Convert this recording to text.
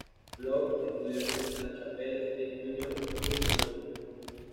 Lowe estudió en la Chapel Street Junior School de Mánchester.